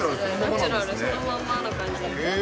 ナチュラル、そのままの感じ